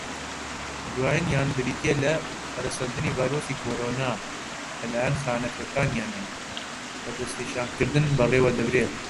دوایینیان بریتییە لە، پەرەسەندنی ڤایرۆسی کۆڕۆنا لەلایەن خانەخوێنەکانییەوە بە دەستنیشانکردن بەڕێوەدەبردێت.